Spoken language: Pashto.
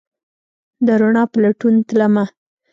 د روڼا په لټون تلمه